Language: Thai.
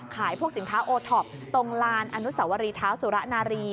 ขายพวกสินค้าโอท็อปตรงลานอนุสวรีเท้าสุระนารี